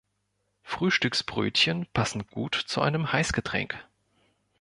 Frühstücksbrötchen passen gut zu einem Heißgetränk.